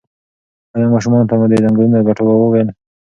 ایا ماشومانو ته مو د ځنګلونو د ګټو وویل؟